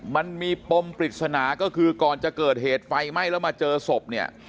มันมีปมปริศนาก็คือก่อนจะเกิดเหตุไฟไหม้แล้วมาเจอศพเนี่ย